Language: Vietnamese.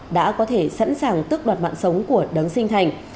đã có thể sẵn sàng tước đoạt mạng sống của đấng sinh thành